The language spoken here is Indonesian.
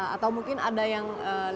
atau mungkin ada yang